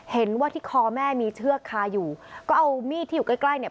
เห็นว่าที่คอแม่มีเชือกคาอยู่ก็เอามีดที่อยู่ใกล้ใกล้เนี่ย